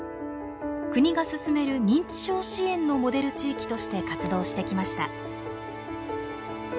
国が進める認知症支援のモデル地域として活動してきました。